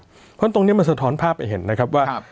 เพราะฉะนั้นตรงนี้มันสะท้อนภาพให้เห็นนะครับว่า